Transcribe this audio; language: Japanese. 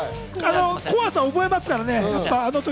怖さを覚えますからね。